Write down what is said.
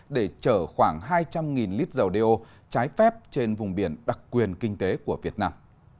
để chở khoảng hai trăm linh lít dầu đeo trái phép trên vùng biển đặc quyền kinh tế của việt nam